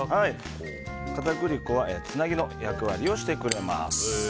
片栗粉はつなぎの役割をしてくれます。